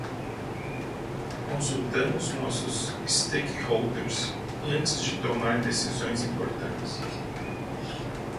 Consultamos nossos stakeholders antes de tomar decisões importantes.